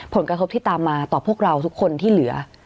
ผลกระทบที่ตามมาต่อพวกเราทุกคนที่เหลือ